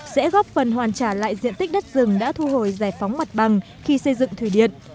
sẽ góp phần hoàn trả lại diện tích đất rừng đã thu hồi giải phóng mặt bằng khi xây dựng thủy điện